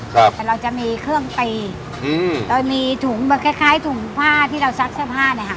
ครับเราจะมีเครื่องปีอืมเรามีถุงแค่คล้ายถุงผ้าที่เราซักเสื้อผ้านะฮะ